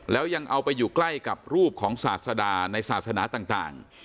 แล้วยังเอาไปอยู่ใกล้กับรูปของศาสดาในศาสนาต่าง